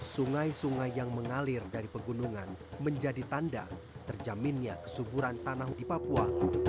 sungai sungai yang mengalir dari pegunungan menjadi tanda terjaminnya kesuburan tanah di papua